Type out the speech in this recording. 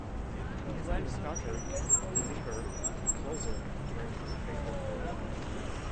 He has been a starter, reliever and closer during his baseball career.